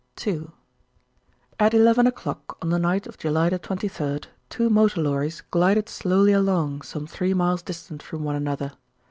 II At eleven o'clock on the night of July the 23rd, two motor lorries glided slowly along some three miles distant from one another.